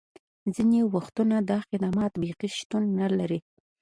ځینې وختونه دا خدمات بیخي شتون نه لري